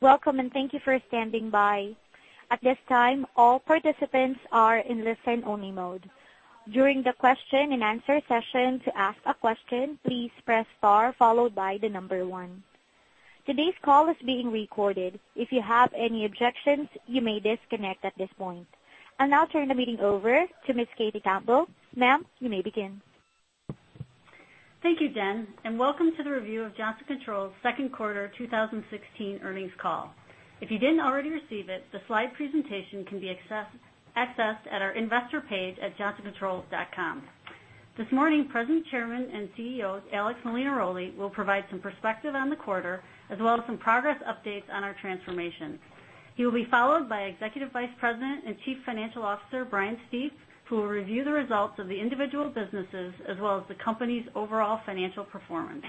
Welcome. Thank you for standing by. At this time, all participants are in listen-only mode. During the question-and-answer session, to ask a question, please press star followed by the number one. Today's call is being recorded. If you have any objections, you may disconnect at this point. I'll now turn the meeting over to Ms. Katie Campbell. Ma'am, you may begin. Thank you, Jen. Welcome to the review of Johnson Controls second quarter 2016 earnings call. If you didn't already receive it, the slide presentation can be accessed at our investor page at johnsoncontrols.com. This morning, President, Chairman, and CEO Alex Molinaroli will provide some perspective on the quarter as well as some progress updates on our transformation. He will be followed by Executive Vice President and Chief Financial Officer Brian Stief, who will review the results of the individual businesses as well as the company's overall financial performance.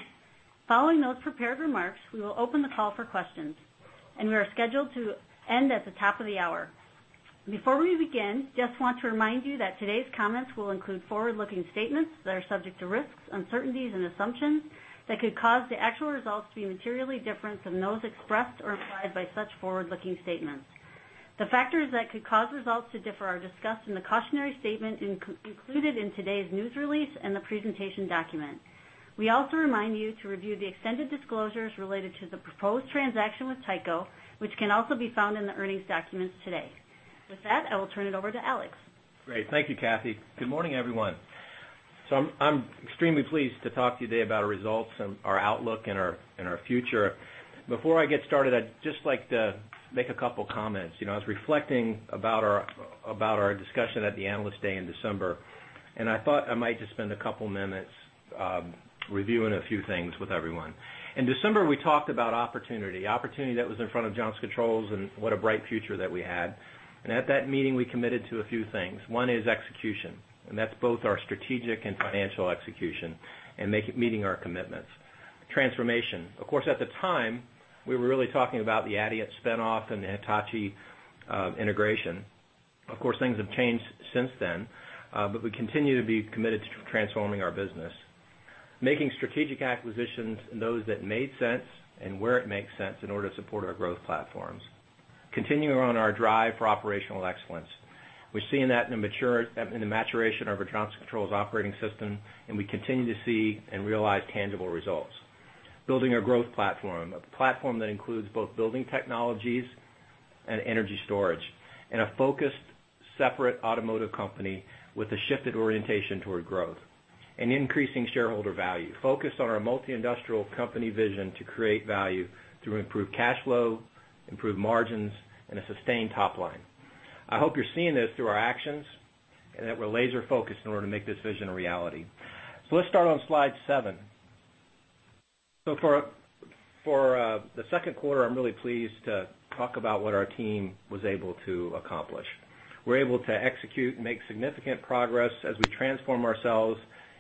Following those prepared remarks, we will open the call for questions. We are scheduled to end at the top of the hour. Before we begin, we just want to remind you that today's comments will include forward-looking statements that are subject to risks, uncertainties, and assumptions that could cause the actual results to be materially different from those expressed or implied by such forward-looking statements. The factors that could cause results to differ are discussed in the cautionary statement included in today's news release and the presentation document. We also remind you to review the extended disclosures related to the proposed transaction with Tyco, which can also be found in the earnings documents today. With that, I will turn it over to Alex. Great. Thank you, Katie. Good morning, everyone. I'm extremely pleased to talk to you today about our results and our outlook and our future. Before I get started, I'd just like to make a couple comments. I was reflecting about our discussion at the Analyst Day in December. I thought I might just spend a couple minutes, reviewing a few things with everyone. In December, we talked about opportunity. Opportunity that was in front of Johnson Controls and what a bright future that we had. At that meeting, we committed to a few things. One is execution. That's both our strategic and financial execution and meeting our commitments. Transformation. Of course, at the time, we were really talking about the Adient spin-off and the Hitachi integration. Of course, things have changed since then, we continue to be committed to transforming our business. Making strategic acquisitions in those that made sense and where it makes sense in order to support our growth platforms. Continuing on our drive for operational excellence. We've seen that in the maturation of our Johnson Controls Operating System, and we continue to see and realize tangible results. Building our growth platform, a platform that includes both building technologies and energy storage, and a focused, separate automotive company with a shifted orientation toward growth. Increasing shareholder value. Focused on our multi-industrial company vision to create value through improved cash flow, improved margins, and a sustained top line. I hope you're seeing this through our actions and that we're laser-focused in order to make this vision a reality. Let's start on slide seven. For the second quarter, I'm really pleased to talk about what our team was able to accomplish. We were able to execute and make significant progress as we transform ourselves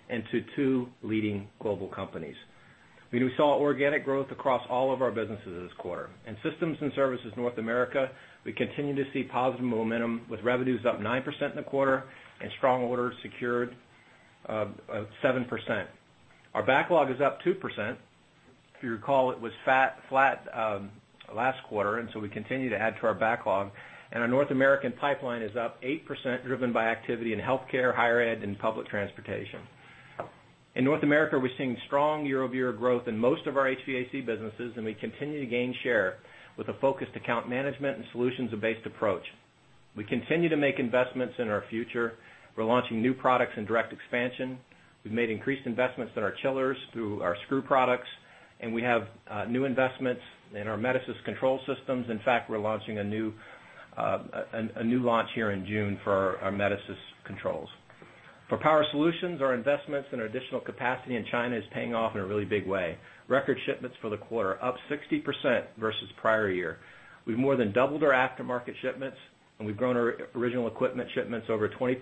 into two leading global companies. We saw organic growth across all of our businesses this quarter. In Systems and Services, North America, we continue to see positive momentum with revenues up 9% in the quarter and strong orders secured of 7%. Our backlog is up 2%. If you recall, it was flat last quarter, we continue to add to our backlog. Our North American pipeline is up 8%, driven by activity in healthcare, higher ed, and public transportation. In North America, we're seeing strong year-over-year growth in most of our HVAC businesses, and we continue to gain share with a focused account management and solutions-based approach. We continue to make investments in our future. We're launching new products in direct expansion. We've made increased investments in our chillers through our screw products. We have new investments in our Metasys control systems. In fact, we're launching a new launch here in June for our Metasys controls. For Power Solutions, our investments in additional capacity in China is paying off in a really big way. Record shipments for the quarter, up 60% versus prior year. We've more than doubled our aftermarket shipments, and we've grown our original equipment shipments over 20%,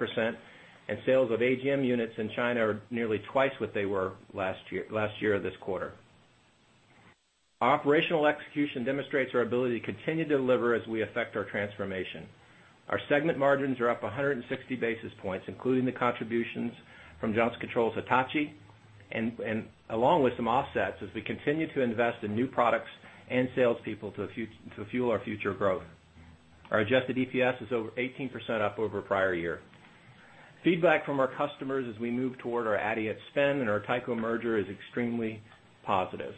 and sales of AGM units in China are nearly twice what they were last year this quarter. Our operational execution demonstrates our ability to continue to deliver as we affect our transformation. Our segment margins are up 160 basis points, including the contributions from Johnson Controls-Hitachi and along with some offsets as we continue to invest in new products and salespeople to fuel our future growth. Our adjusted EPS is over 18% up over prior year. Feedback from our customers as we move toward our Adient spin and our Tyco merger is extremely positive.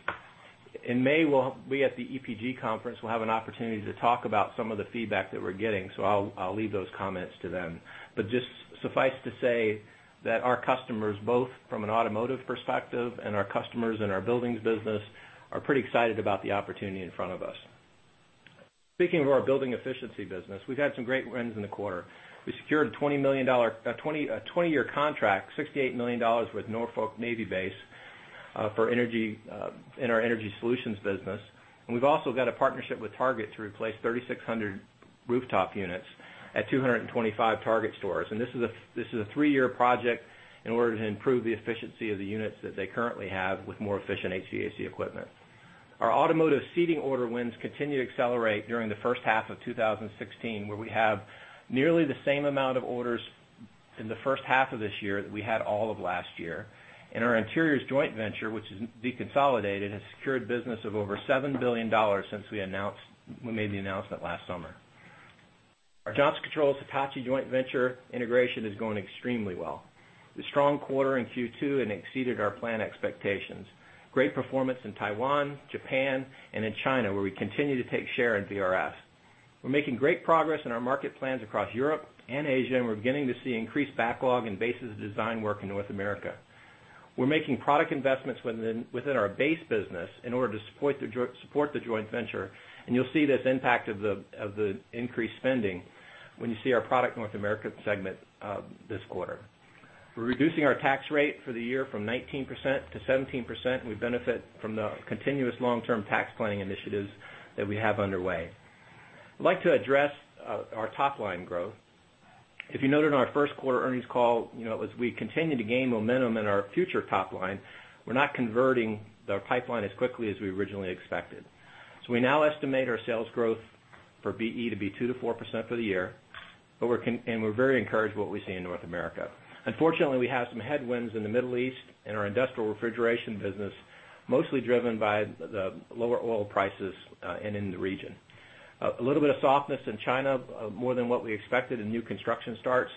In May, we at the EPG conference will have an opportunity to talk about some of the feedback that we're getting, I'll leave those comments to then. Just suffice to say that our customers, both from an automotive perspective and our customers in our buildings business, are pretty excited about the opportunity in front of us. Speaking of our Building Efficiency business, we've had some great wins in the quarter. We secured a 20-year contract, $68 million with Norfolk Navy Base in our energy solutions business. We've also got a partnership with Target to replace 3,600 rooftop units at 225 Target stores. This is a three-year project in order to improve the efficiency of the units that they currently have with more efficient HVAC equipment. Our automotive seating order wins continue to accelerate during the first half of 2016, where we have nearly the same amount of orders in the first half of this year that we had all of last year. Our Interiors joint venture, which is de-consolidated, has secured business of over $7 billion since we made the announcement last summer. Our Johnson Controls-Hitachi joint venture integration is going extremely well. It was a strong quarter in Q2 and exceeded our plan expectations. Great performance in Taiwan, Japan, and in China, where we continue to take share in VRF. We're making great progress in our market plans across Europe and Asia, we're beginning to see increased backlog and basis design work in North America. We're making product investments within our base business in order to support the joint venture, you'll see this impact of the increased spending when you see our product North America segment this quarter. We're reducing our tax rate for the year from 19% to 17%, we benefit from the continuous long-term tax planning initiatives that we have underway. I'd like to address our top-line growth. If you noted in our first quarter earnings call, as we continue to gain momentum in our future top line, we're not converting the pipeline as quickly as we originally expected. We now estimate our sales growth for BE to be 2% to 4% for the year, we're very encouraged what we see in North America. Unfortunately, we have some headwinds in the Middle East and our industrial refrigeration business, mostly driven by the lower oil prices in the region. A little bit of softness in China, more than what we expected in new construction starts.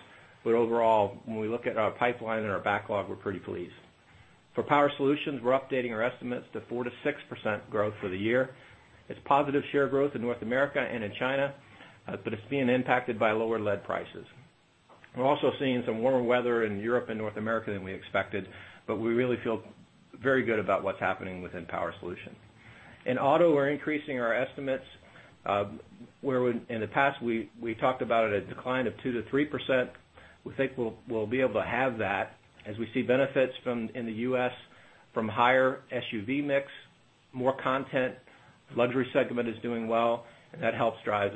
Overall, when we look at our pipeline and our backlog, we're pretty pleased. For Power Solutions, we're updating our estimates to 4% to 6% growth for the year. It's positive share growth in North America and in China, it's being impacted by lower lead prices. We're also seeing some warmer weather in Europe and North America than we expected, we really feel very good about what's happening within Power Solutions. In Auto, we're increasing our estimates, where in the past we talked about a decline of 2% to 3%. We think we'll be able to have that as we see benefits in the U.S. from higher SUV mix, more content, luxury segment is doing well, that helps drive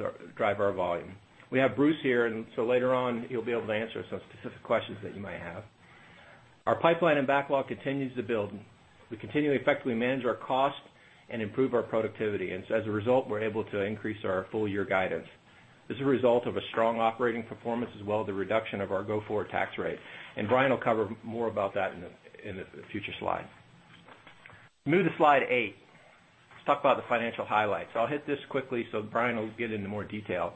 our volume. We have Bruce here, later on, he'll be able to answer some specific questions that you might have. Our pipeline and backlog continues to build. We continue to effectively manage our cost and improve our productivity. As a result, we're able to increase our full-year guidance. This is a result of a strong operating performance, as well as the reduction of our go-forward tax rate. Brian will cover more about that in a future slide. Move to slide eight. Let's talk about the financial highlights. I'll hit this quickly so Brian will get into more detail.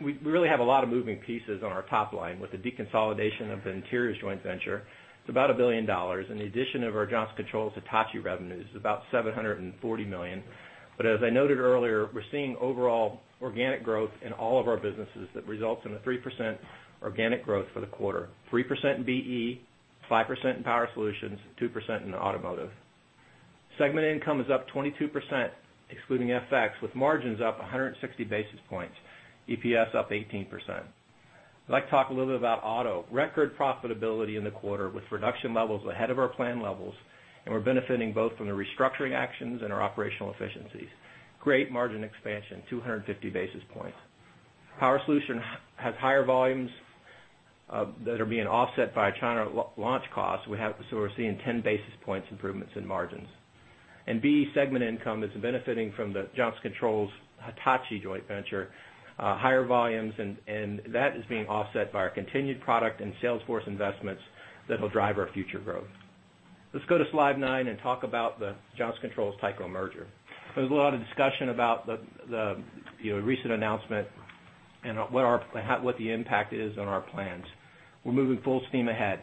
We really have a lot of moving pieces on our top line with the de-consolidation of the Interiors joint venture. It's about $1 billion. The addition of our Johnson Controls-Hitachi revenues is about $740 million. As I noted earlier, we're seeing overall organic growth in all of our businesses that results in a 3% organic growth for the quarter, 3% in BE, 5% in Power Solutions, 2% in Automotive. Segment income is up 22%, excluding FX, with margins up 160 basis points. EPS up 18%. I'd like to talk a little bit about Auto. Record profitability in the quarter with reduction levels ahead of our plan levels, and we're benefiting both from the restructuring actions and our operational efficiencies. Great margin expansion, 250 basis points. Power Solutions has higher volumes that are being offset by China launch costs. We're seeing 10 basis points improvements in margins. BE segment income is benefiting from the Johnson Controls-Hitachi joint venture. Higher volumes, and that is being offset by our continued product and sales force investments that will drive our future growth. Let's go to slide nine and talk about the Johnson Controls Tyco merger. There's a lot of discussion about the recent announcement and what the impact is on our plans. We're moving full steam ahead.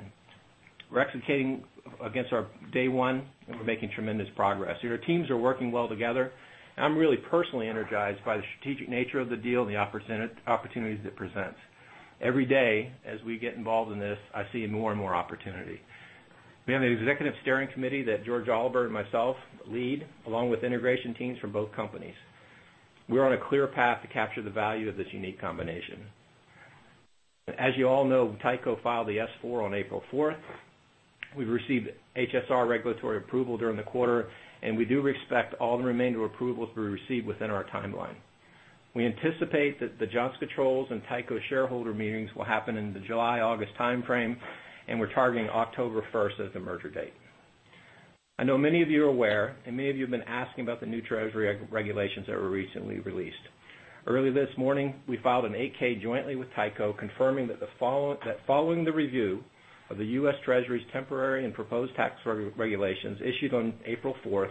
We're executing against our day one, and we're making tremendous progress. Our teams are working well together, and I'm really personally energized by the strategic nature of the deal and the opportunities it presents. Every day, as we get involved in this, I see more and more opportunity. We have an executive steering committee that George Oliver and myself lead, along with integration teams from both companies. We're on a clear path to capture the value of this unique combination. As you all know, Tyco filed the S-4 on April 4th. We've received HSR regulatory approval during the quarter, and we do expect all the remainder approvals will be received within our timeline. We anticipate that the Johnson Controls and Tyco shareholder meetings will happen in the July-August timeframe, and we're targeting October 1st as the merger date. I know many of you are aware, and many of you have been asking about the new Treasury regulations that were recently released. Early this morning, we filed an 8-K jointly with Tyco, confirming that following the review of the U.S. Treasury's temporary and proposed tax regulations issued on April 4th,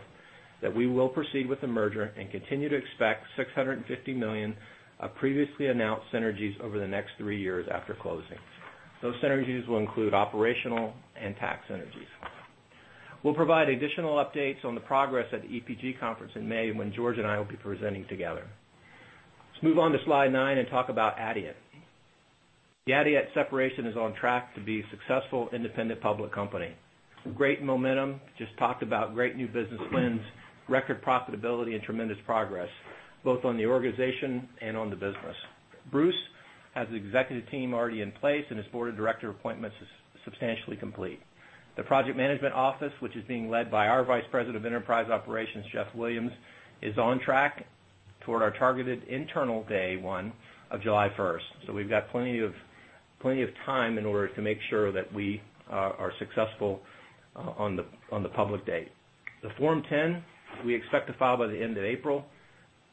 that we will proceed with the merger and continue to expect $650 million of previously announced synergies over the next three years after closing. Those synergies will include operational and tax synergies. We'll provide additional updates on the progress at EPG conference in May when George and I will be presenting together. Let's move on to slide nine and talk about Adient. The Adient separation is on track to be a successful independent public company. Great momentum. Just talked about great new business wins, record profitability, and tremendous progress, both on the organization and on the business. Bruce has the executive team already in place, and his board of director appointments is substantially complete. The project management office, which is being led by our Vice President of Enterprise Operations, Jeff Williams, is on track toward our targeted internal day one of July 1st. We've got plenty of time in order to make sure that we are successful on the public date. The Form 10, we expect to file by the end of April,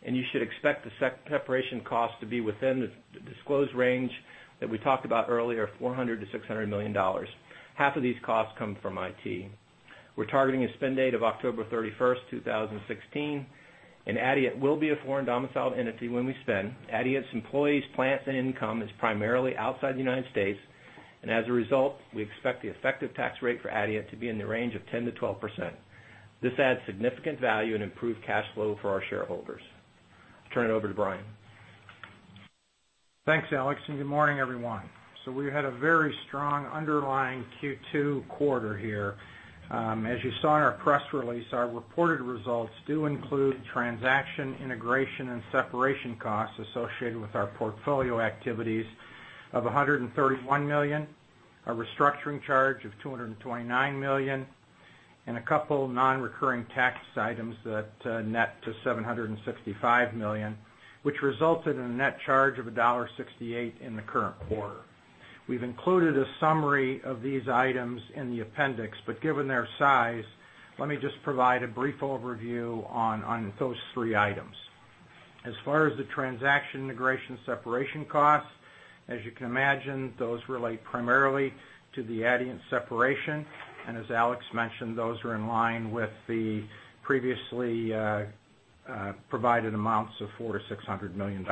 and you should expect the separation cost to be within the disclosed range that we talked about earlier, $400 million-$600 million. Half of these costs come from IT. We're targeting a spin date of October 31, 2016, Adient will be a foreign domiciled entity when we spin. Adient's employees, plants, and income is primarily outside the U.S., as a result, we expect the effective tax rate for Adient to be in the range of 10%-12%. This adds significant value and improved cash flow for our shareholders. Turn it over to Brian. Thanks, Alex. Good morning, everyone. We had a very strong underlying Q2 quarter here. As you saw in our press release, our reported results do include transaction integration and separation costs associated with our portfolio activities of $131 million, a restructuring charge of $229 million, a couple non-recurring tax items that net to $765 million, which resulted in a net charge of $1.68 in the current quarter. We've included a summary of these items in the appendix, given their size, let me just provide a brief overview on those three items. As far as the transaction integration separation costs, as you can imagine, those relate primarily to the Adient separation, as Alex mentioned, those are in line with the previously provided amounts of $400 million-$600 million.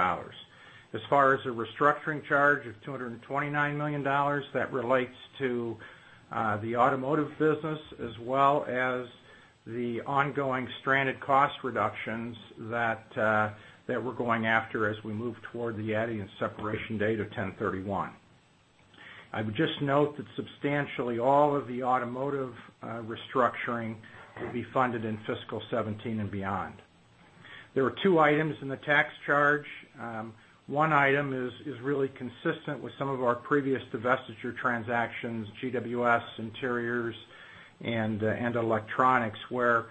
As far as the restructuring charge of $229 million, that relates to the automotive business, as well as the ongoing stranded cost reductions that we're going after as we move toward the Adient separation date of October 31. I would just note that substantially all of the automotive restructuring will be funded in fiscal 2017 and beyond. There were two items in the tax charge. One item is really consistent with some of our previous divestiture transactions, GWS, Interiors, and Electronics, where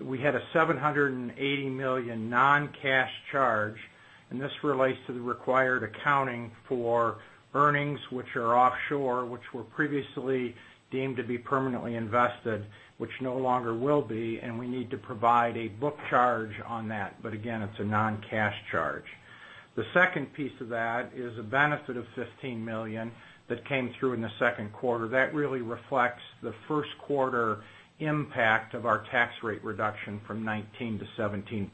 we had a $780 million non-cash charge, this relates to the required accounting for earnings which are offshore, which were previously deemed to be permanently invested, which no longer will be, we need to provide a book charge on that. Again, it's a non-cash charge. The second piece of that is a benefit of $15 million that came through in the second quarter. That really reflects the first quarter impact of our tax rate reduction from 19%-17%.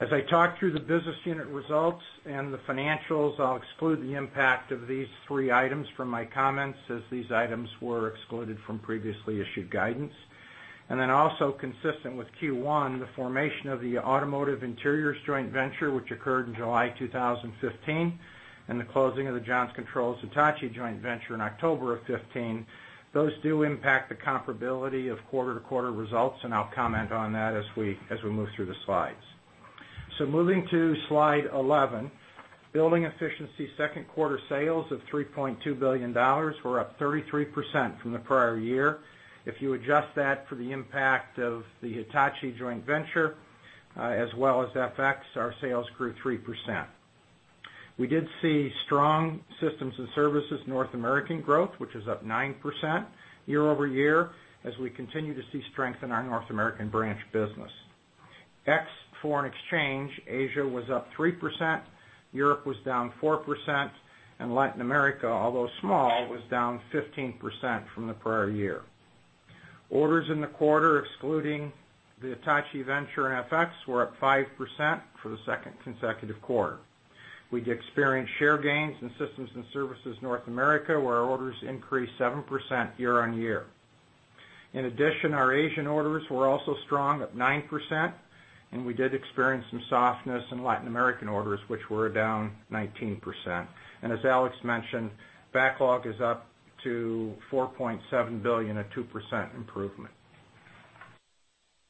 As I talk through the business unit results and the financials, I'll exclude the impact of these three items from my comments, as these items were excluded from previously issued guidance. Also consistent with Q1, the formation of the Automotive Interiors joint venture, which occurred in July 2015, the closing of the Johnson Controls Hitachi joint venture in October 2015. Those do impact the comparability of quarter-to-quarter results, I'll comment on that as we move through the slides. Moving to slide 11. Building Efficiency second quarter sales of $3.2 billion were up 33% from the prior year. If you adjust that for the impact of the Hitachi joint venture as well as FX, our sales grew 3%. We did see strong Systems and Services North American growth, which is up 9% year-over-year, as we continue to see strength in our North American branch business. Ex FX, Asia was up 3%, Europe was down 4%, and Latin America, although small, was down 15% from the prior year. Orders in the quarter, excluding the Hitachi venture and FX, were up 5% for the second consecutive quarter. We did experience share gains in Systems and Services North America, where our orders increased 7% year-on-year. In addition, our Asian orders were also strong at 9%, and we did experience some softness in Latin American orders, which were down 19%. As Alex mentioned, backlog is up to $4.7 billion, a 2% improvement.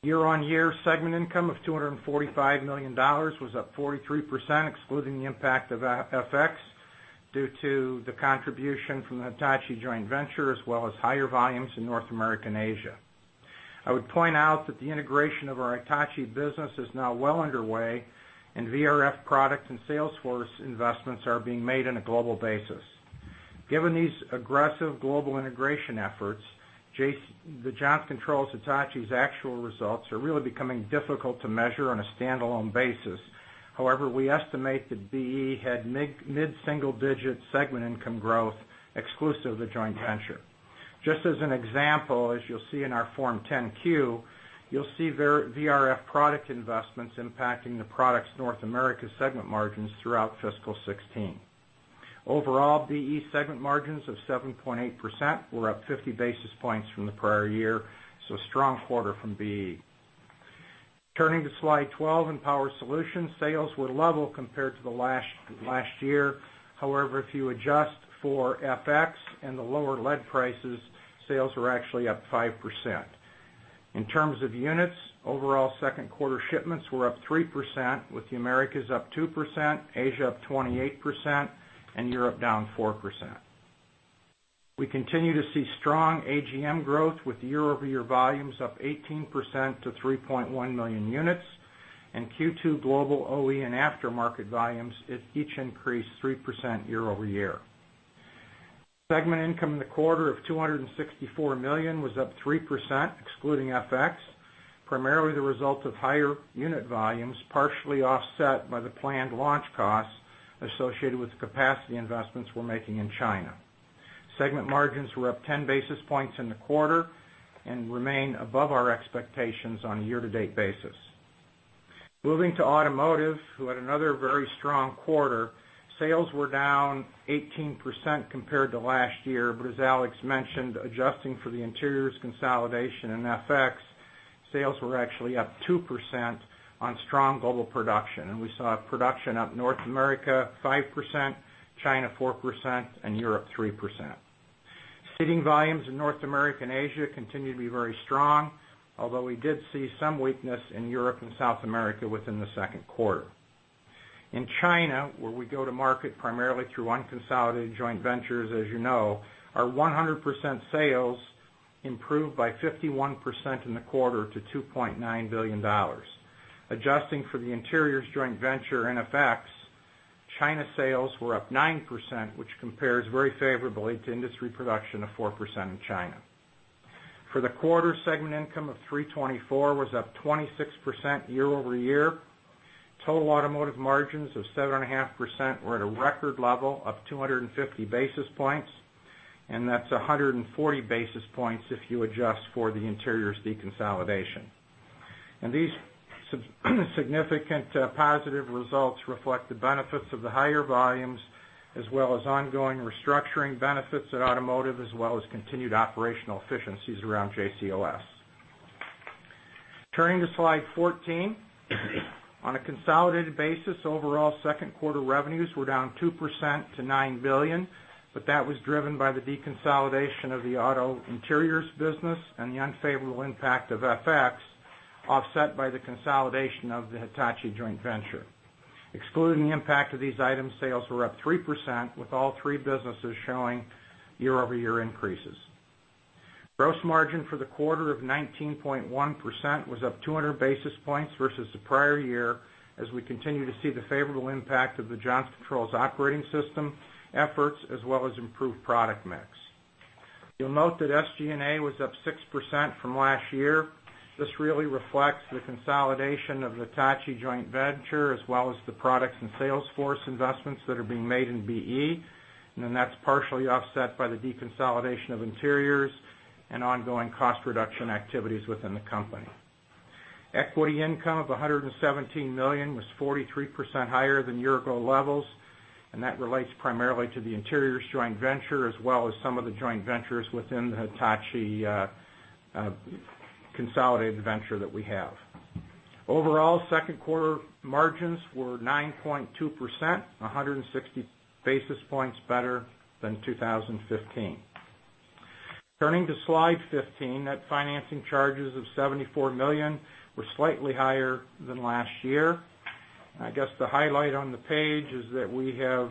Year-on-year segment income of $245 million was up 43%, excluding the impact of FX, due to the contribution from the Hitachi joint venture, as well as higher volumes in North America and Asia. I would point out that the integration of our Hitachi business is now well underway, and VRF product and sales force investments are being made on a global basis. Given these aggressive global integration efforts, the Johnson Controls-Hitachi's actual results are really becoming difficult to measure on a standalone basis. However, we estimate that BE had mid-single digit segment income growth exclusive of the joint venture. Just as an example, as you'll see in our Form 10-Q, you'll see VRF product investments impacting the products North America segment margins throughout fiscal 2016. Overall, BE segment margins of 7.8% were up 50 basis points from the prior year. Strong quarter from BE. Turning to slide 12 in Power Solutions, sales were level compared to last year. However, if you adjust for FX and the lower lead prices, sales were actually up 5%. In terms of units, overall second quarter shipments were up 3%, with the Americas up 2%, Asia up 28%, and Europe down 4%. We continue to see strong AGM growth with year-over-year volumes up 18% to 3.1 million units, and Q2 global OE and aftermarket volumes each increased 3% year-over-year. Segment income in the quarter of $264 million was up 3%, excluding FX, primarily the result of higher unit volumes, partially offset by the planned launch costs associated with the capacity investments we're making in China. Segment margins were up 10 basis points in the quarter and remain above our expectations on a year-to-date basis. Moving to Automotive, who had another very strong quarter. Sales were down 18% compared to last year, as Alex mentioned, adjusting for the Interiors consolidation and FX, sales were actually up 2% on strong global production. We saw production up North America 5%, China 4%, and Europe 3%. Seating volumes in North America and Asia continue to be very strong, although we did see some weakness in Europe and South America within the second quarter. In China, where we go to market primarily through unconsolidated joint ventures, as you know, our 100% sales improved by 51% in the quarter to $2.9 billion. Adjusting for the Interiors joint venture and FX, China sales were up 9%, which compares very favorably to industry production of 4% in China. For the quarter, segment income of $324 million was up 26% year-over-year. Total Automotive margins of 7.5% were at a record level, up 250 basis points, that's 140 basis points if you adjust for the Interiors deconsolidation. These significant positive results reflect the benefits of the higher volumes as well as ongoing restructuring benefits at Automotive, as well as continued operational efficiencies around JCOS. Turning to slide 14. On a consolidated basis, overall second quarter revenues were down 2% to $9 billion, that was driven by the deconsolidation of the auto Interiors business and the unfavorable impact of FX, offset by the consolidation of the Hitachi joint venture. Excluding the impact of these items, sales were up 3%, with all three businesses showing year-over-year increases. Gross margin for the quarter of 19.1% was up 200 basis points versus the prior year, as we continue to see the favorable impact of the Johnson Controls Operating System efforts as well as improved product mix. You'll note that SG&A was up 6% from last year. This really reflects the consolidation of the Hitachi joint venture as well as the products and salesforce investments that are being made in BE. That's partially offset by the deconsolidation of Interiors and ongoing cost reduction activities within the company. Equity income of $117 million was 43% higher than year-ago levels, that relates primarily to the Interiors joint venture as well as some of the joint ventures within the Hitachi consolidated venture that we have. Overall, second quarter margins were 9.2%, 160 basis points better than 2015. Turning to slide 15, net financing charges of $74 million were slightly higher than last year. I guess the highlight on the page is that we have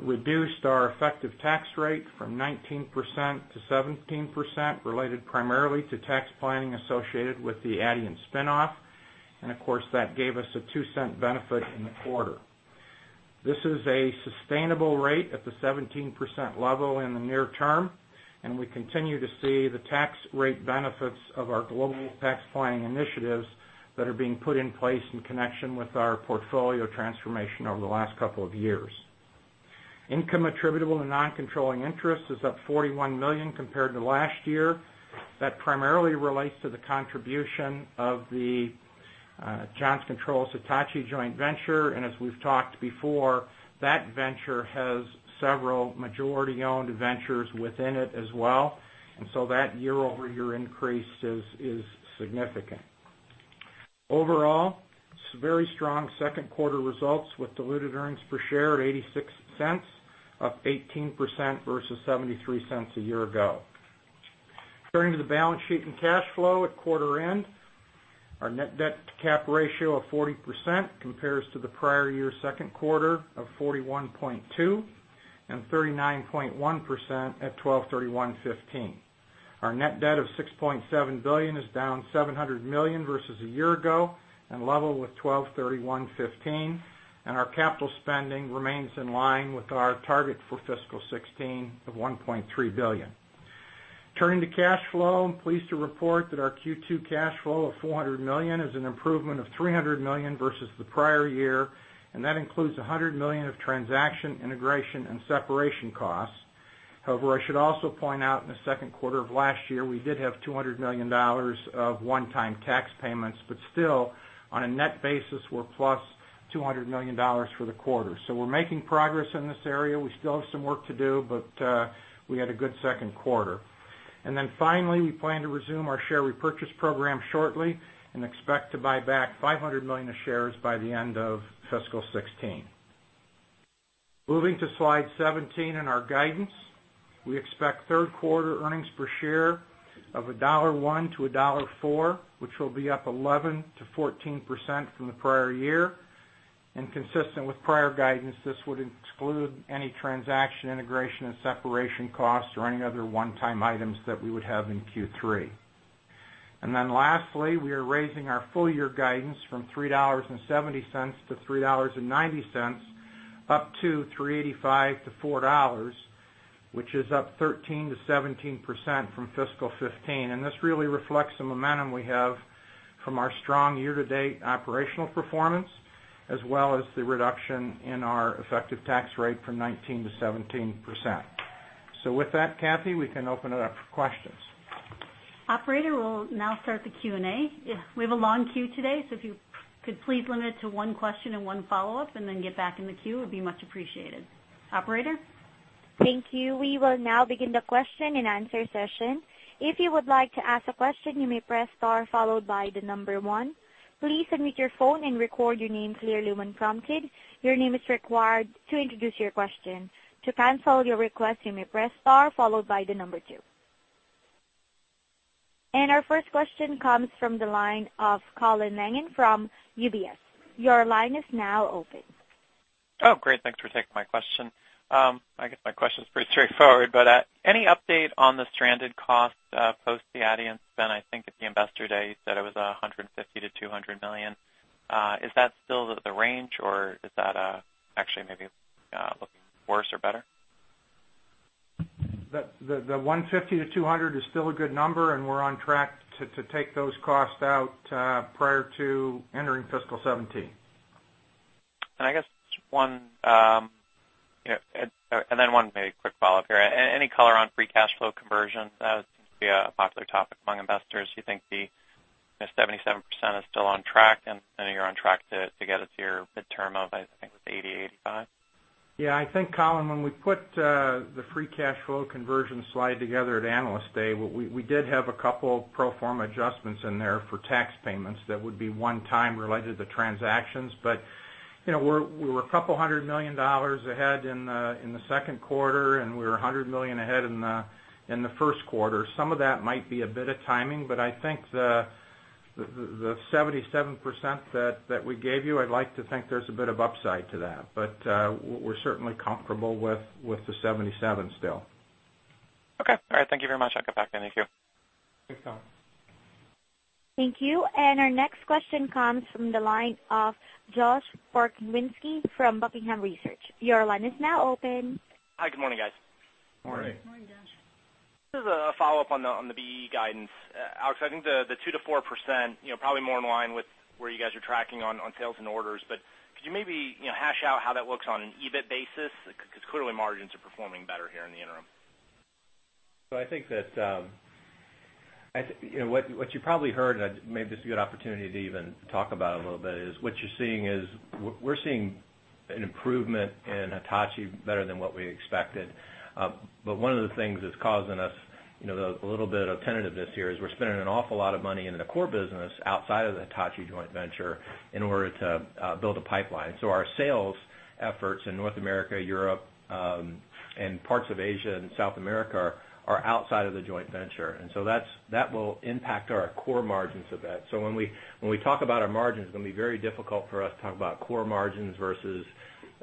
reduced our effective tax rate from 19% to 17%, related primarily to tax planning associated with the Adient spin-off. Of course, that gave us a $0.02 benefit in the quarter. This is a sustainable rate at the 17% level in the near term, we continue to see the tax rate benefits of our global tax planning initiatives that are being put in place in connection with our portfolio transformation over the last couple of years. Income attributable to non-controlling interests is up $41 million compared to last year. That primarily relates to the contribution of the Johnson Controls Hitachi joint venture. As we've talked before, that venture has several majority-owned ventures within it as well, so that year-over-year increase is significant. Overall, some very strong second quarter results with diluted earnings per share at $0.86, up 18% versus $0.73 a year-ago. Turning to the balance sheet and cash flow at quarter end. Our net debt to cap ratio of 40% compares to the prior year second quarter of 41.2% and 39.1% at 12-31-2015. Our net debt of $6.7 billion is down $700 million versus a year-ago and level with 12-31-2015. Our capital spending remains in line with our target for fiscal 2016 of $1.3 billion. Turning to cash flow, I'm pleased to report that our Q2 cash flow of $400 million is an improvement of $300 million versus the prior year, that includes $100 million of transaction, integration, and separation costs. I should also point out in the second quarter of last year, we did have $200 million of one-time tax payments, but still, on a net basis, we're plus $200 million for the quarter. We're making progress in this area. We still have some work to do, but we had a good second quarter. Finally, we plan to resume our share repurchase program shortly and expect to buy back $500 million of shares by the end of fiscal 2016. Moving to slide 17 and our guidance. We expect third quarter earnings per share of $1.01-$1.04, which will be up 11%-14% from the prior year. Consistent with prior guidance, this would exclude any transaction integration and separation costs or any other one-time items that we would have in Q3. Lastly, we are raising our full year guidance from $3.70-$3.90, up to $3.85-$4, which is up 13%-17% from fiscal 2015. This really reflects the momentum we have from our strong year-to-date operational performance, as well as the reduction in our effective tax rate from 19%-17%. With that, Katie, we can open it up for questions. Operator, we'll now start the Q&A. We have a long queue today, so if you could please limit it to one question and one follow-up, then get back in the queue, it would be much appreciated. Operator? Thank you. We will now begin the question and answer session. If you would like to ask a question, you may press star followed by the number one. Please unmute your phone and record your name clearly when prompted. Your name is required to introduce your question. To cancel your request, you may press star followed by the number two. Our first question comes from the line of Colin Langan from UBS. Your line is now open. Oh, great. Thanks for taking my question. I guess my question's pretty straightforward. Any update on the stranded cost post Adient? I think at the Investor Day, you said it was $150 million-$200 million. Is that still the range, or is that actually maybe looking worse or better? The $150 million-$200 million is still a good number. We're on track to take those costs out prior to entering fiscal 2017. One maybe quick follow-up here. Any color on free cash flow conversion? That seems to be a popular topic among investors. Do you think the 77% is still on track? You're on track to get us your midterm of, I think, it was 80%-85%? Yeah, I think, Colin, when we put the free cash flow conversion slide together at Analyst Day, we did have a couple pro forma adjustments in there for tax payments that would be one-time related to transactions. We're a couple hundred million dollars ahead in the second quarter. We were $100 million ahead in the first quarter. Some of that might be a bit of timing. I think the 77% that we gave you, I'd like to think there's a bit of upside to that. We're certainly comfortable with the 77% still. Okay. All right. Thank you very much. I'll get back to you. Thank you. Thanks, Colin. Thank you. Our next question comes from the line of Josh Pokrzywinski from Buckingham Research. Your line is now open. Hi, good morning, guys. Morning. Morning, Josh. A follow-up on the BE guidance. Alex, I think the 2%-4%, probably more in line with where you guys are tracking on sales and orders, but could you maybe hash out how that looks on an EBIT basis? Clearly margins are performing better here in the interim. I think that what you probably heard, and maybe this is a good opportunity to even talk about a little bit, is what you're seeing is we're seeing an improvement in Hitachi better than what we expected. One of the things that's causing us a little bit of tentativeness here is we're spending an awful lot of money in the core business outside of the Hitachi joint venture in order to build a pipeline. Our sales efforts in North America, Europe, and parts of Asia and South America are outside of the joint venture. That will impact our core margins a bit. When we talk about our margins, it's going to be very difficult for us to talk about core margins versus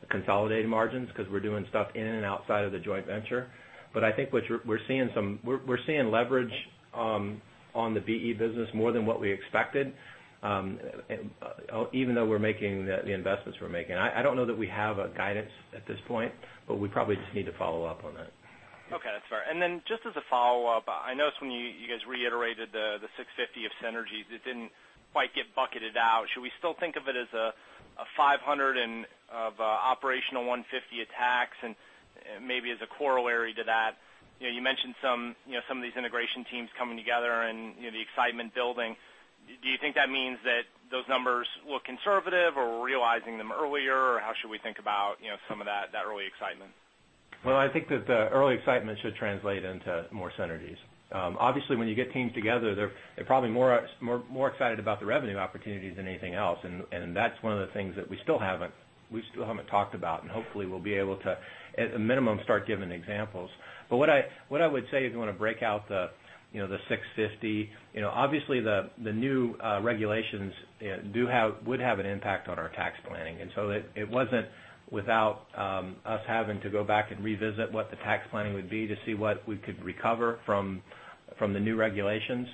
consolidated margins because we're doing stuff in and outside of the joint venture. I think we're seeing leverage on the BE business more than what we expected, even though we're making the investments we're making. I don't know that we have a guidance at this point, but we probably just need to follow up on that. Okay, that's fair. Just as a follow-up, I noticed when you guys reiterated the $650 of synergies, it didn't quite get bucketed out. Should we still think of it as a $500 and of operational $150 at tax? As a corollary to that, you mentioned some of these integration teams coming together and the excitement building. Do you think that means that those numbers look conservative, or we're realizing them earlier, or how should we think about some of that early excitement? Well, I think that the early excitement should translate into more synergies. Obviously, when you get teams together, they're probably more excited about the revenue opportunities than anything else, and that's one of the things that we still haven't talked about, and hopefully we'll be able to, at a minimum, start giving examples. What I would say, if you want to break out the $650, obviously the new regulations would have an impact on our tax planning, and so it wasn't without us having to go back and revisit what the tax planning would be to see what we could recover from the new regulations.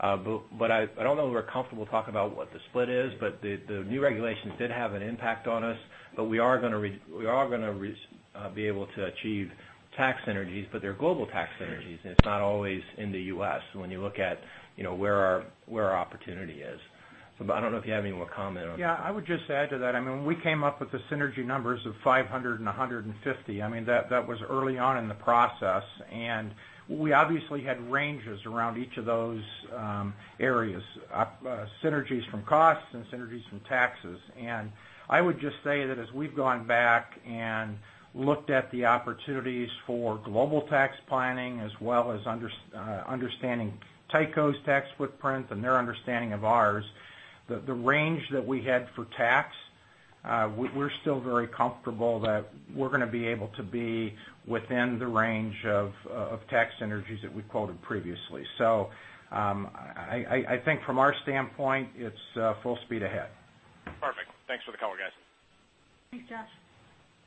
I don't know that we're comfortable talking about what the split is, but the new regulations did have an impact on us. We are going to be able to achieve tax synergies, but they're global tax synergies, and it's not always in the U.S. when you look at where our opportunity is. I don't know if you have any more comment on that. Yeah, I would just add to that, when we came up with the synergy numbers of $500 and $150, that was early on in the process. We obviously had ranges around each of those areas, synergies from costs and synergies from taxes. I would just say that as we've gone back and looked at the opportunities for global tax planning, as well as understanding Tyco's tax footprint and their understanding of ours, the range that we had for tax, we're still very comfortable that we're going to be able to be within the range of tax synergies that we quoted previously. I think from our standpoint, it's full speed ahead. Perfect. Thanks for the color, guys. Thanks, Josh.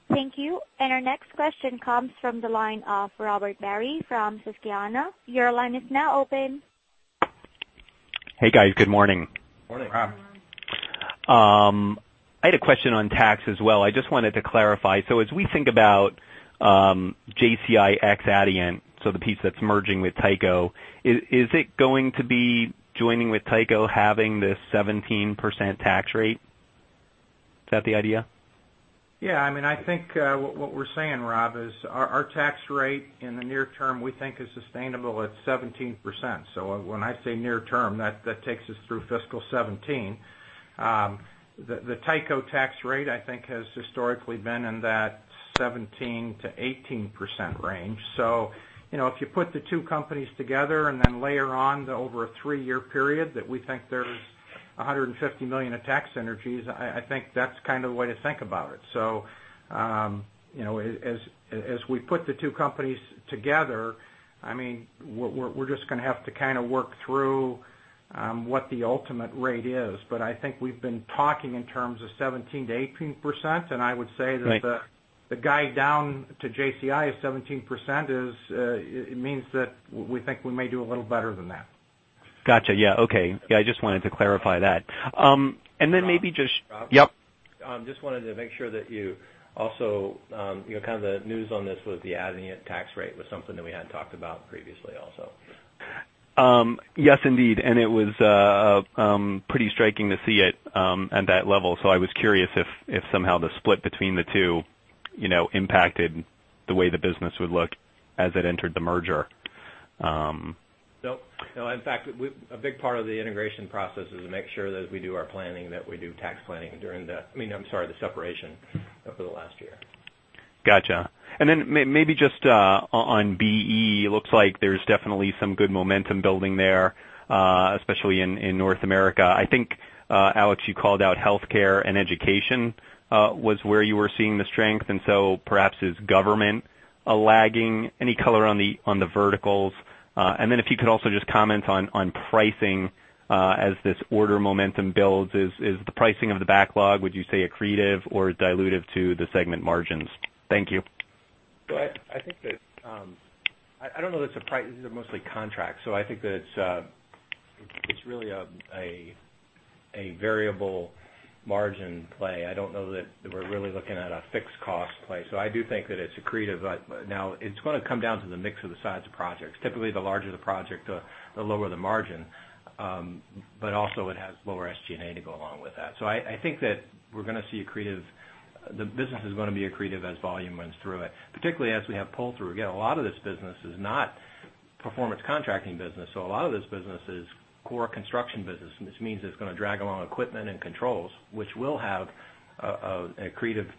Thank you. Our next question comes from the line of Robert Barry from Susquehanna. Your line is now open. Hey, guys. Good morning. Morning, Rob. I had a question on tax as well. I just wanted to clarify. As we think about JCI ex Adient, the piece that's merging with Tyco, is it going to be joining with Tyco having this 17% tax rate? Is that the idea? I think what we're saying, Rob, is our tax rate in the near term, we think is sustainable at 17%. When I say near term, that takes us through fiscal 2017. The Tyco tax rate, I think, has historically been in that 17%-18% range. If you put the two companies together and then layer on the over a three-year period that we think there's $150 million of tax synergies, I think that's kind of the way to think about it. As we put the two companies together, we're just going to have to kind of work through what the ultimate rate is. I think we've been talking in terms of 17%-18%, and I would say. Right The guide down to JCI is 17%, it means that we think we may do a little better than that. Got you. Yeah, okay. I just wanted to clarify that. Rob? Yep. Just wanted to make sure that you also, kind of the news on this was the Adient tax rate was something that we hadn't talked about previously also. Yes, indeed. It was pretty striking to see it at that level. I was curious if somehow the split between the two impacted the way the business would look as it entered the merger. No. In fact, a big part of the integration process is to make sure that as we do our planning, that we do tax planning during the, I'm sorry, the separation for the last year. Got you. Maybe just on BE, looks like there's definitely some good momentum building there, especially in North America. I think, Alex, you called out healthcare and education was where you were seeing the strength. Perhaps is government a lagging? Any color on the verticals? If you could also just comment on pricing as this order momentum builds, is the pricing of the backlog, would you say, accretive or dilutive to the segment margins? Thank you. I think that, I don't know that these are mostly contracts, so I think that it's really a variable margin play. I don't know that we're really looking at a fixed cost play. I do think that it's accretive. Now, it's going to come down to the mix of the size of projects. Typically, the larger the project, the lower the margin. Also it has lower SG&A to go along with that. I think that we're going to see accretive, the business is going to be accretive as volume runs through it. Particularly as we have pull-through. Again, a lot of this business is not performance contracting business, so a lot of this business is core construction business, which means it's going to drag along equipment and controls, which will have an accretive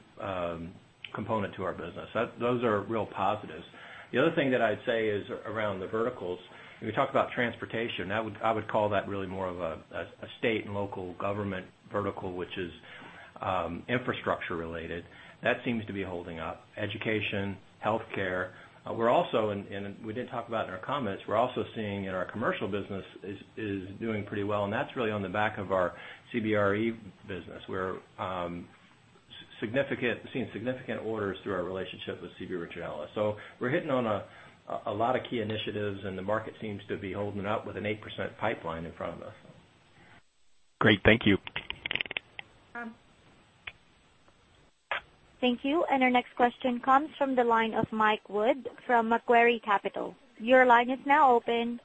component to our business. Those are real positives. The other thing that I'd say is around the verticals, if you talk about transportation, I would call that really more of a state and local government vertical, which is infrastructure related. That seems to be holding up. Education, healthcare. We're also, and we did talk about in our comments, we're also seeing in our commercial business is doing pretty well, and that's really on the back of our CBRE business, where seeing significant orders through our relationship with CB Richard Ellis. We're hitting on a lot of key initiatives, and the market seems to be holding up with an 8% pipeline in front of us. Great. Thank you. Thank you. Our next question comes from the line of Michael Wood from Macquarie Capital. Your line is now open.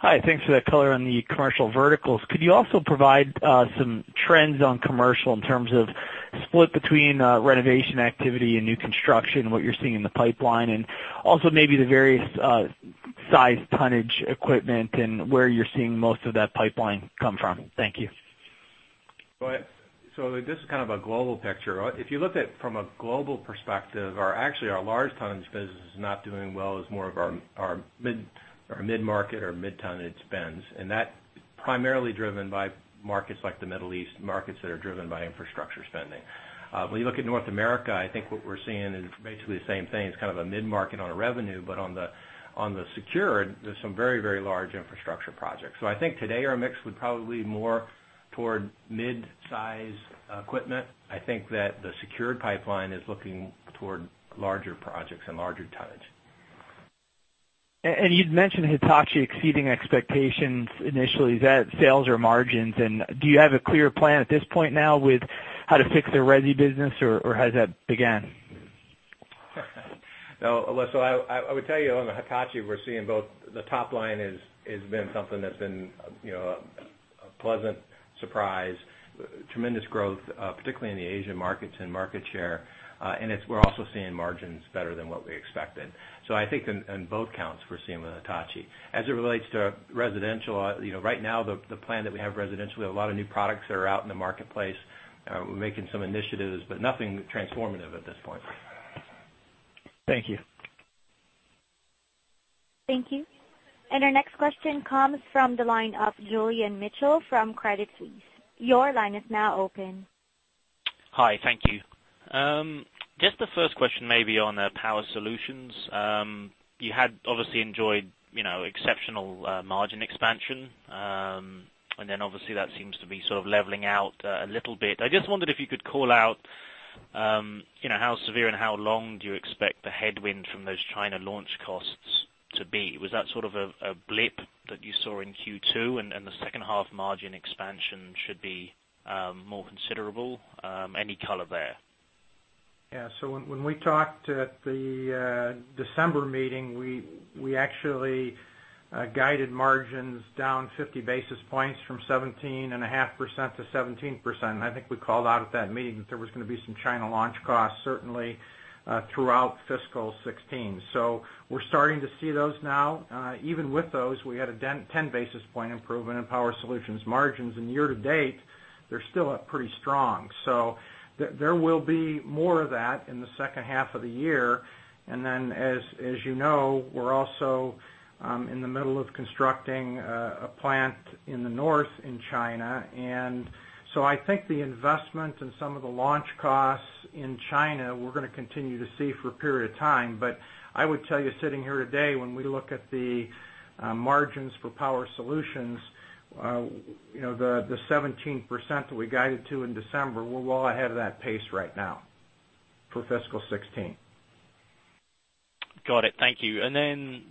Hi. Thanks for that color on the commercial verticals. Could you also provide some trends on commercial in terms of split between renovation activity and new construction, what you're seeing in the pipeline, and also maybe the various size tonnage equipment and where you're seeing most of that pipeline come from? Thank you. This is kind of a global picture. If you look at it from a global perspective, actually, our large tonnage business is not doing well as more of our mid-market or mid-tonnage spends. That is primarily driven by markets like the Middle East, markets that are driven by infrastructure spending. When you look at North America, I think what we're seeing is basically the same thing. It's kind of a mid-market on a revenue, but on the secured, there's some very large infrastructure projects. I think today our mix would probably more toward mid-size equipment. I think that the secured pipeline is looking toward larger projects and larger tonnage. You'd mentioned Hitachi exceeding expectations initially. Is that sales or margins? Do you have a clear plan at this point now with how to fix their resi business, or has that began? No. I would tell you on the Hitachi, we're seeing both. The top line has been something that's been a pleasant surprise. Tremendous growth, particularly in the Asian markets and market share. We're also seeing margins better than what we expected. I think on both counts, we're seeing with Hitachi. As it relates to residential, right now, the plan that we have residentially, we have a lot of new products that are out in the marketplace. We're making some initiatives, but nothing transformative at this point. Thank you. Thank you. Our next question comes from the line of Julian Mitchell from Credit Suisse. Your line is now open. Hi. Thank you. Just the first question maybe on Power Solutions. You had obviously enjoyed exceptional margin expansion. Obviously that seems to be sort of leveling out a little bit. I just wondered if you could call out How severe and how long do you expect the headwind from those China launch costs to be? Was that sort of a blip that you saw in Q2 and the second half margin expansion should be more considerable? Any color there? Yeah. When we talked at the December meeting, we actually guided margins down 50 basis points from 17.5% to 17%. I think we called out at that meeting that there was going to be some China launch costs, certainly, throughout fiscal 2016. We're starting to see those now. Even with those, we had a 10 basis point improvement in Power Solutions margins. Year to date, they're still up pretty strong. There will be more of that in the second half of the year. Then, as you know, we're also in the middle of constructing a plant in the north in China. I think the investment and some of the launch costs in China, we're going to continue to see for a period of time. I would tell you, sitting here today, when we look at the margins for Power Solutions, the 17% that we guided to in December, we're well ahead of that pace right now for fiscal 2016. Got it. Thank you.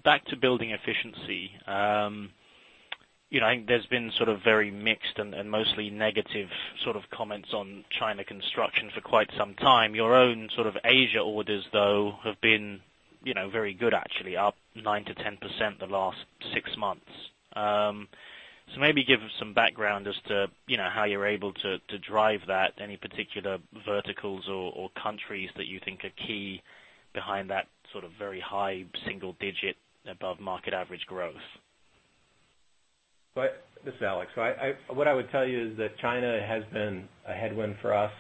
Back to Building Efficiency. I think there's been sort of very mixed and mostly negative sort of comments on China construction for quite some time. Your own Asia orders, though, have been very good, actually, up 9% to 10% the last six months. Maybe give us some background as to how you're able to drive that. Any particular verticals or countries that you think are key behind that sort of very high single digit above market average growth? This is Alex. What I would tell you is that China has been a headwind for us,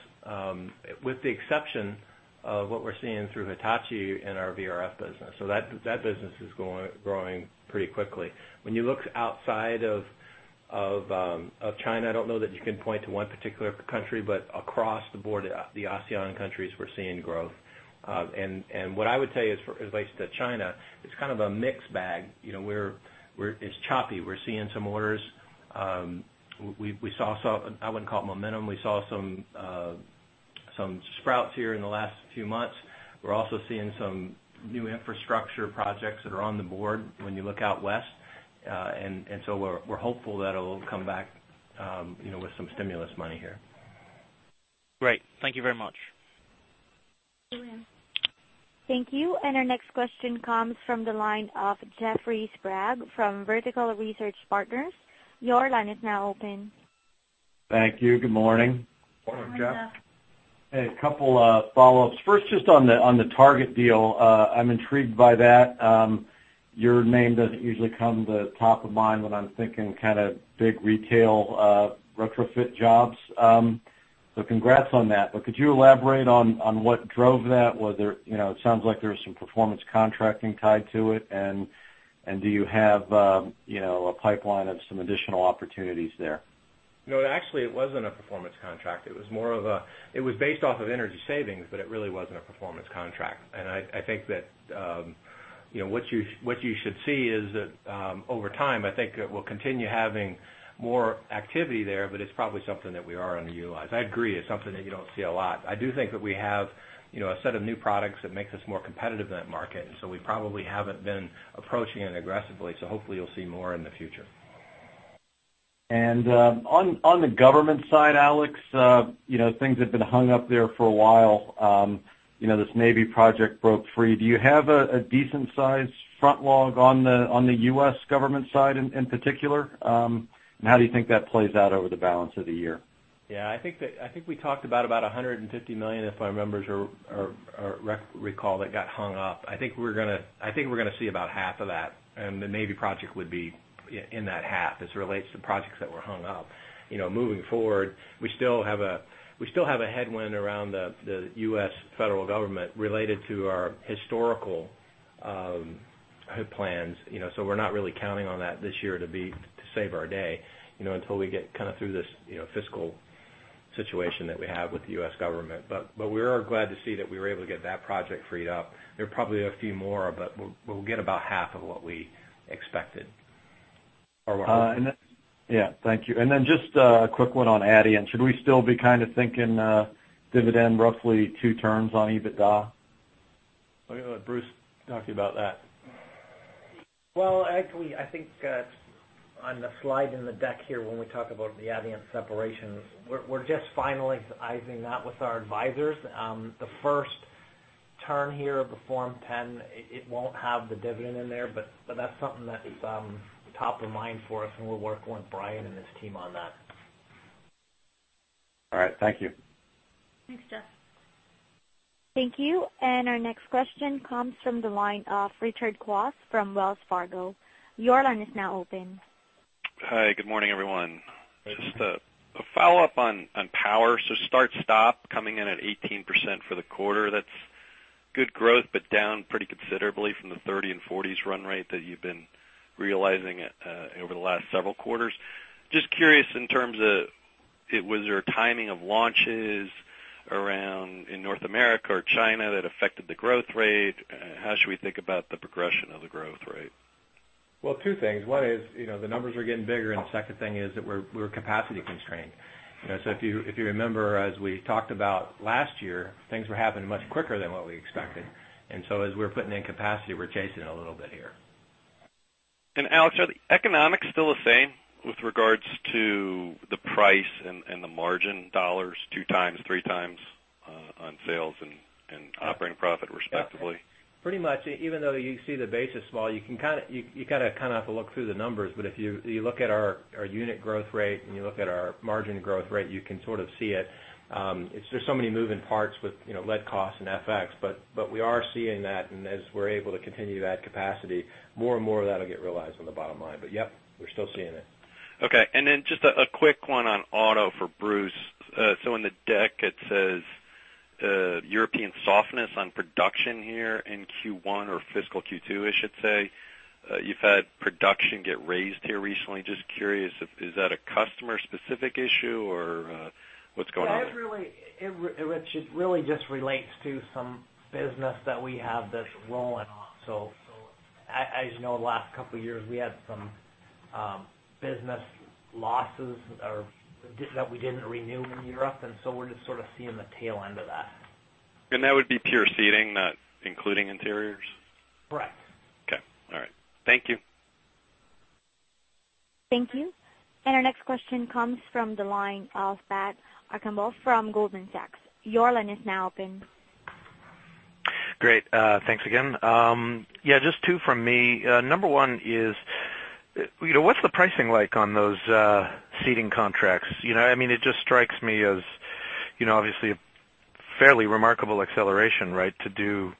with the exception of what we're seeing through Hitachi in our VRF business. That business is growing pretty quickly. When you look outside of China, I don't know that you can point to one particular country, but across the board, the ASEAN countries, we're seeing growth. What I would tell you as it relates to China, it's kind of a mixed bag. It's choppy. We're seeing some orders. We saw some, I wouldn't call it momentum, we saw some sprouts here in the last few months. We're also seeing some new infrastructure projects that are on the board when you look out west. We're hopeful that it'll come back with some stimulus money here. Great. Thank you very much. Thank you. Our next question comes from the line of Jeffrey Sprague from Vertical Research Partners. Your line is now open. Thank you. Good morning. Morning, Jeff. Hey, a couple of follow-ups. First, just on the Target Corporation deal. I'm intrigued by that. Your name doesn't usually come to top of mind when I'm thinking kind of big retail retrofit jobs. Congrats on that. Could you elaborate on what drove that? It sounds like there was some performance contracting tied to it. Do you have a pipeline of some additional opportunities there? No, actually, it wasn't a performance contract. It was based off of energy savings, but it really wasn't a performance contract. I think that what you should see is that over time, I think we'll continue having more activity there, but it's probably something that we are underutilized. I agree, it's something that you don't see a lot. I do think that we have a set of new products that makes us more competitive in that market, we probably haven't been approaching it aggressively. Hopefully you'll see more in the future. On the government side, Alex, things have been hung up there for a while. This Navy project broke free. Do you have a decent size front log on the U.S. government side in particular? How do you think that plays out over the balance of the year? I think we talked about $150 million, if I recall, that got hung up. I think we're going to see about half of that, and the Navy project would be in that half as it relates to projects that were hung up. Moving forward, we still have a headwind around the U.S. federal government related to our historical plans. We're not really counting on that this year to save our day, until we get kind of through this fiscal situation that we have with the U.S. government. We are glad to see that we were able to get that project freed up. There are probably a few more, but we'll get about half of what we expected. Thank you. Just a quick one on Adient. Should we still be kind of thinking dividend roughly two turns on EBITDA? I'll let Bruce talk to you about that. Well, actually, I think on the slide in the deck here, when we talk about the Adient separation, we're just finalizing that with our advisors. The first turn here of the Form 10, it won't have the dividend in there, but that's something that is top of mind for us, and we'll work with Brian and his team on that. All right. Thank you. Thanks, Jeff. Thank you. Our next question comes from the line of Rich Kwas from Wells Fargo. Your line is now open. Hi, good morning, everyone. Good morning. Just a follow-up on power. Start, stop coming in at 18% for the quarter. That's good growth, but down pretty considerably from the 30% and 40% run rate that you've been realizing over the last several quarters. Just curious in terms of, was there timing of launches around in North America or China that affected the growth rate? How should we think about the progression of the growth rate? Two things. One is, the numbers are getting bigger, and the second thing is that we're capacity constrained. If you remember, as we talked about last year, things were happening much quicker than what we expected. As we're putting in capacity, we're chasing it a little bit here. Alex, are the economics still the same with regards to the price and the margin dollars two times, three times, on sales and operating profit, respectively? Pretty much. Even though you see the basis model, you kind of have to look through the numbers, but if you look at our unit growth rate and you look at our margin growth rate, you can sort of see it. There's so many moving parts with lead costs and FX, but we are seeing that, and as we're able to continue to add capacity, more and more of that'll get realized on the bottom line. Yep, we're still seeing it. Okay. Just a quick one on auto for Bruce. In the deck it says European softness on production here in Q1 or fiscal Q2, I should say. You've had production get raised here recently. Just curious, is that a customer specific issue or what's going on there? It really just relates to some business that we have that's rolling off. As you know, the last couple of years, we had some business losses or that we didn't renew in Europe, we're just sort of seeing the tail end of that. That would be pure seating, not including interiors? Correct. Okay. All right. Thank you. Thank you. Our next question comes from the line of Patrick Archambault from Goldman Sachs. Your line is now open. Great. Thanks again. Yeah, just two from me. Number one is, what's the pricing like on those seating contracts? It just strikes me as obviously a fairly remarkable acceleration, right? To do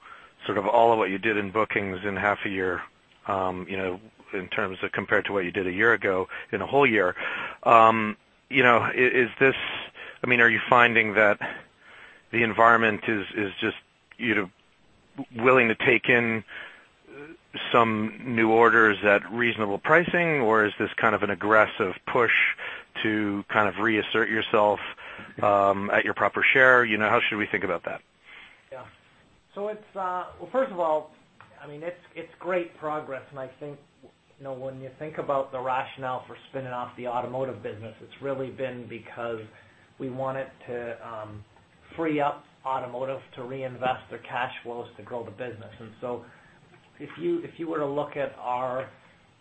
sort of all of what you did in bookings in half a year, in terms of compared to what you did a year ago in a whole year. Are you finding that the environment is just willing to take in some new orders at reasonable pricing, or is this kind of an aggressive push to kind of reassert yourself, at your proper share? How should we think about that? Yeah. Well, first of all, it's great progress when you think about the rationale for spinning off the automotive business, it's really been because we wanted to free up automotive to reinvest their cash flows to grow the business. If you were to look at our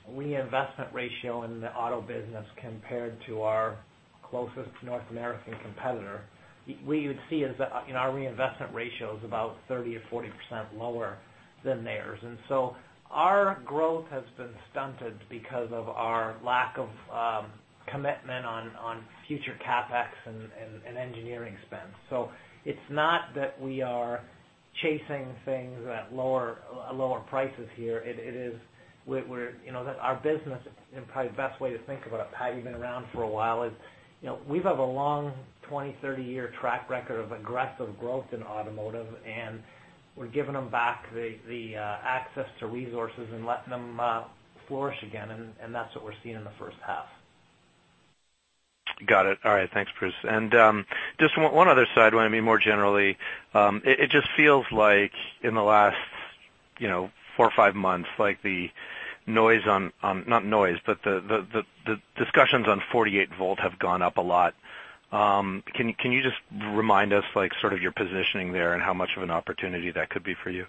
reinvestment ratio in the auto business compared to our closest North American competitor, what you would see is that our reinvestment ratio is about 30% or 40% lower than theirs. Our growth has been stunted because of our lack of commitment on future CapEx and engineering spend. It's not that we are chasing things at lower prices here. Our business, probably the best way to think about it, Pat, you've been around for a while, is we have a long 20, 30 year track record of aggressive growth in automotive, we're giving them back the access to resources and letting them flourish again, that's what we're seeing in the first half. Got it. All right. Thanks, Bruce. Just one other side, more generally, it just feels like in the last four or five months, the discussions on 48 volt have gone up a lot. Can you just remind us your positioning there and how much of an opportunity that could be for you?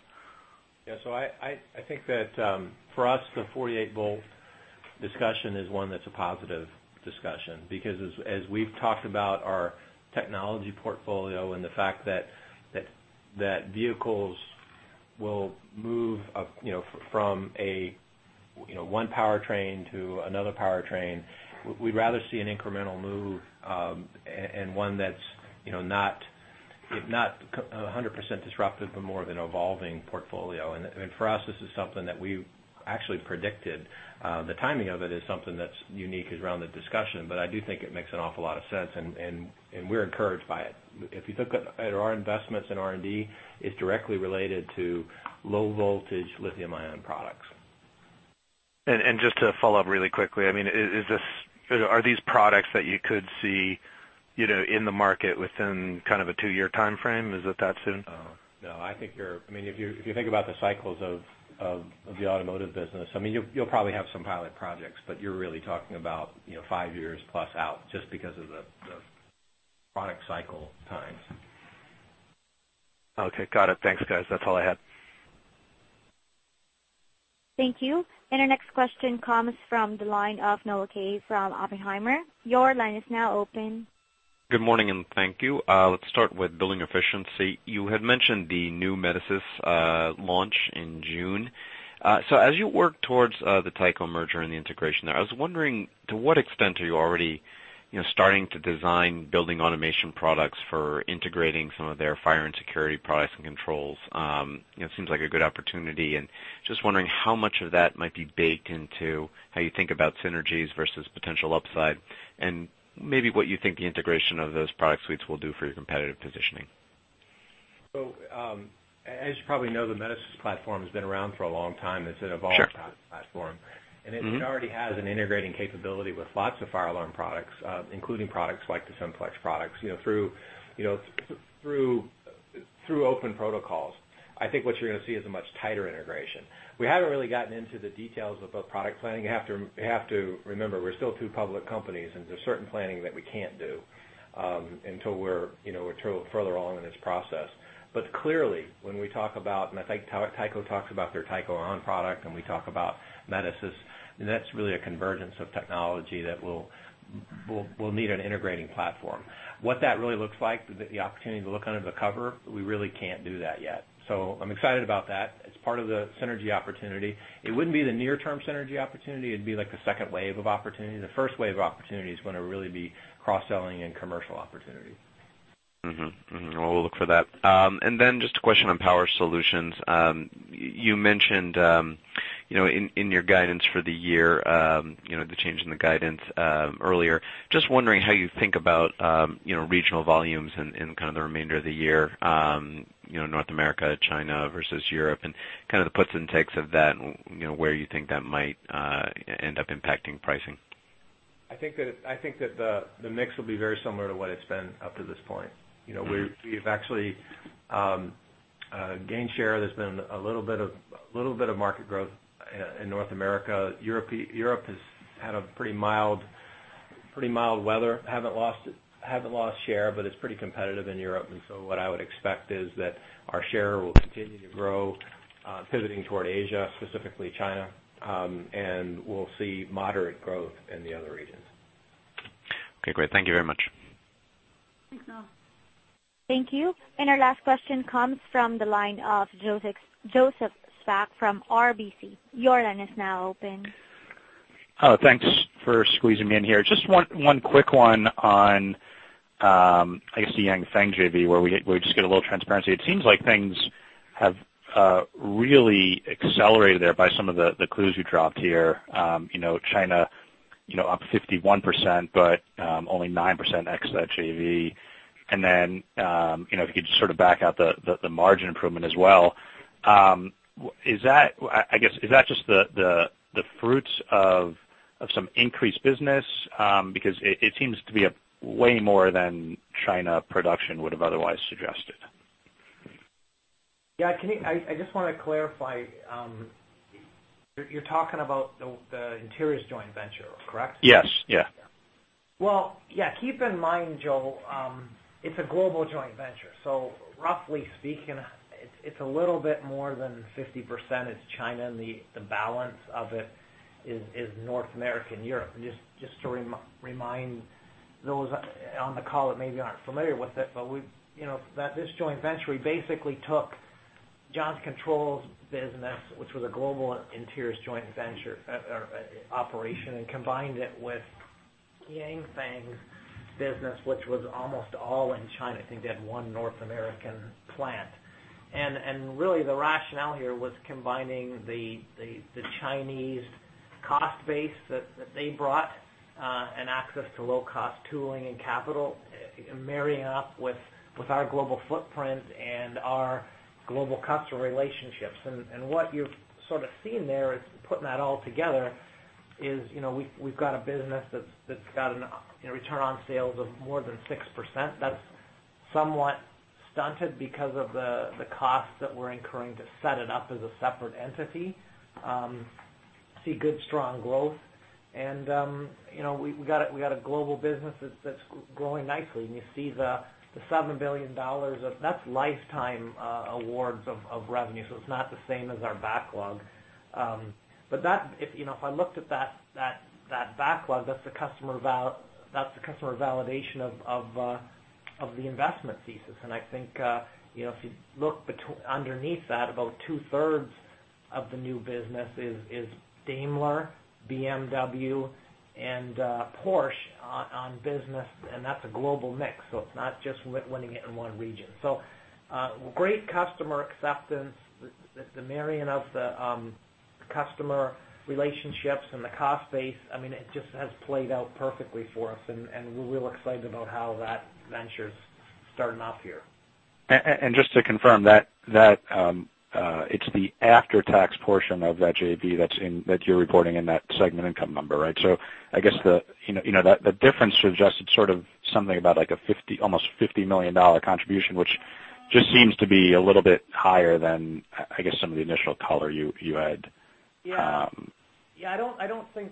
Yeah. I think that, for us, the 48 volt discussion is one that's a positive discussion, because as we've talked about our technology portfolio and the fact that vehicles will move up from one powertrain to another powertrain, we'd rather see an incremental move, and one that's not 100% disruptive, but more of an evolving portfolio. For us, this is something that we actually predicted. The timing of it is something that's unique around the discussion, but I do think it makes an awful lot of sense, and we're encouraged by it. If you look at our investments in R&D, it's directly related to low voltage lithium-ion products. Just to follow up really quickly, are these products that you could see in the market within kind of a two-year timeframe? Is it that soon? No. If you think about the cycles of the automotive business, you'll probably have some pilot projects, but you're really talking about five years plus out just because of the product cycle times. Okay. Got it. Thanks, guys. That's all I had. Thank you. Our next question comes from the line of Noah Kaye from Oppenheimer. Your line is now open. Good morning, and thank you. Let's start with Building Efficiency. You had mentioned the new Metasys launch in June. As you work towards the Tyco merger and the integration there, I was wondering to what extent are you already starting to design building automation products for integrating some of their fire and security products and controls? It seems like a good opportunity, and just wondering how much of that might be baked into how you think about synergies versus potential upside, and maybe what you think the integration of those product suites will do for your competitive positioning. As you probably know, the Metasys platform has been around for a long time. It's an evolved platform. Sure. Mm-hmm. It already has an integrating capability with lots of fire alarm products, including products like the Simplex products. Through open protocols, I think what you're going to see is a much tighter integration. We haven't really gotten into the details about product planning. You have to remember, we're still two public companies, and there's certain planning that we can't do until we're further along in this process. Clearly, when we talk about, I think Tyco talks about their Tyco On product, we talk about Metasys, that's really a convergence of technology that will need an integrating platform. What that really looks like, the opportunity to look under the cover, we really can't do that yet. I'm excited about that. It's part of the synergy opportunity. It wouldn't be the near-term synergy opportunity. It'd be like the second wave of opportunity. The first wave of opportunity is going to really be cross-selling and commercial opportunity. Mm-hmm. We'll look for that. Then just a question on Power Solutions. You mentioned in your guidance for the year, the change in the guidance earlier. Just wondering how you think about regional volumes in kind of the remainder of the year, North America, China versus Europe and kind of the puts and takes of that, where you think that might end up impacting pricing. I think that the mix will be very similar to what it's been up to this point. We've actually gained share. There's been a little bit of market growth in North America. Europe has had a pretty mild weather. Haven't lost share, but it's pretty competitive in Europe. What I would expect is that our share will continue to grow, pivoting toward Asia, specifically China. We'll see moderate growth in the other regions. Okay, great. Thank you very much. Thanks, Noah. Thank you. Our last question comes from the line of Joseph Spak from RBC. Your line is now open. Thanks for squeezing me in here. Just one quick one on, I guess, the Yanfeng JV, where we just get a little transparency. It seems like things have really accelerated there by some of the clues you dropped here. China up 51%, but only 9% ex that JV. Then, if you could sort of back out the margin improvement as well. I guess, is that just the fruits of some increased business? Because it seems to be way more than China production would have otherwise suggested. Yeah. I just want to clarify. You're talking about the Interiors joint venture, correct? Yes. Well, yeah. Keep in mind, Joe, it's a global joint venture, so roughly speaking, it's a little bit more than 50% is China, and the balance of it is North American, Europe. Just to remind those on the call that maybe aren't familiar with it, but this joint venture, we basically took Johnson Controls business, which was a global Interiors joint venture operation, and combined it with Yanfeng business, which was almost all in China. I think they had one North American plant. Really the rationale here was combining the Chinese cost base that they brought, and access to low-cost tooling and capital, marrying up with our global footprint and our global customer relationships. What you've sort of seen there is putting that all together is we've got a business that's got a return on sales of more than 6%. That's somewhat stunted because of the cost that we're incurring to set it up as a separate entity. See good, strong growth. We got a global business that's growing nicely. You see the $7 billion that's lifetime awards of revenue. It's not the same as our backlog. If I looked at that backlog, that's the customer validation of the investment thesis. I think, if you look underneath that, about two-thirds of the new business is Daimler, BMW, and Porsche on business, and that's a global mix. It's not just winning it in one region. Great customer acceptance. The marrying of the customer relationships and the cost base, it just has played out perfectly for us, and we're real excited about how that venture's starting off here. Just to confirm, it's the after-tax portion of that JV that you're reporting in that segment income number, right? I guess the difference suggested something about like almost a $50 million contribution, which just seems to be a little bit higher than, I guess, some of the initial color you had. Yeah. I don't think.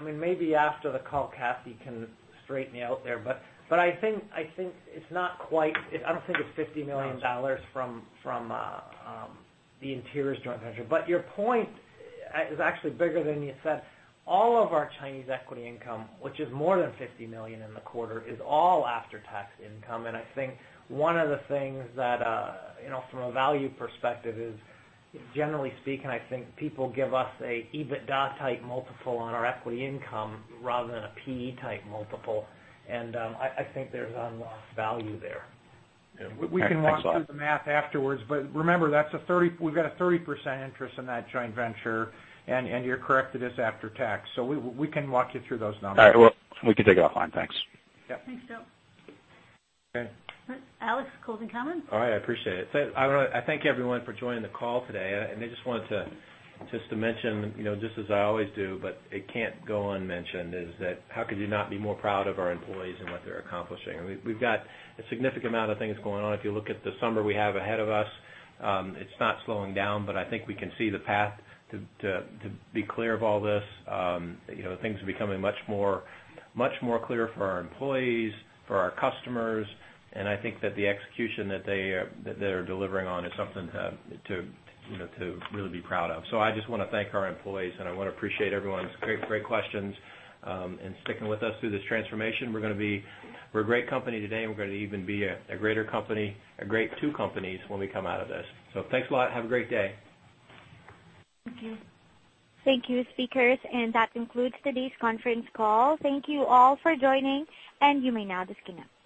Maybe after the call, Katie can straighten me out there, but I think it's not quite. I don't think it's $50 million from the Interiors joint venture. Your point is actually bigger than you said. All of our Chinese equity income, which is more than $50 million in the quarter, is all after-tax income. I think one of the things that, from a value perspective is, generally speaking, I think people give us an EBITDA type multiple on our equity income rather than a P/E type multiple. I think there's unlost value there. Thanks a lot. We can walk through the math afterwards, but remember, we've got a 30% interest in that joint venture, and you're correct. It is after tax. We can walk you through those numbers. All right. We can take it offline. Thanks. Yeah. Thanks, Joe. Okay. Alex, clossing comment. All right. I appreciate it. I thank everyone for joining the call today. I just wanted to mention, just as I always do, but it can't go unmentioned, is that how could you not be more proud of our employees and what they're accomplishing? We've got a significant amount of things going on. If you look at the summer we have ahead of us, it's not slowing down, but I think we can see the path to be clear of all this. Things are becoming much more clear for our employees, for our customers, and I think that the execution that they're delivering on is something to really be proud of. I just want to thank our employees, and I want to appreciate everyone's great questions, and sticking with us through this transformation. We're a great company today, and we're going to even be a greater company, a great two companies when we come out of this. Thanks a lot. Have a great day. Thank you. Thank you, speakers, and that concludes today's conference call. Thank you all for joining, and you may now disconnect.